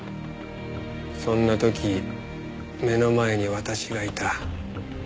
そんな時目の前に私がいた。